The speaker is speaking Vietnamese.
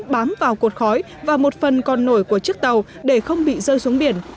bám vào cột khói và một phần còn nổi của chiếc tàu để không bị rơi xuống biển